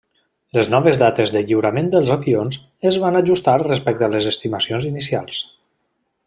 Les noves dates de lliurament dels avions es van ajustar respecte de les estimacions inicials.